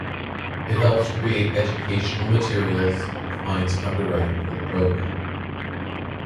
It helps create educational materials, and finds underwriting for the program.